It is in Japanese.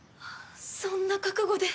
そんな覚悟で。